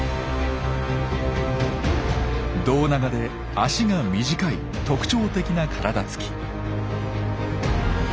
胴長で脚が短い特徴的な体つき。